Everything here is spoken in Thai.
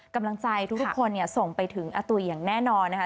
กำลังใจทุกคนส่งไปถึงอาตุ๋ยอย่างแน่นอนนะคะ